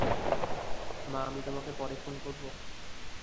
মা, আমি তোমাকে পরে ফোন করব?